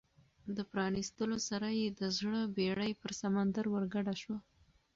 د پرانیستلو سره یې د زړه بېړۍ پر سمندر ورګډه شوه.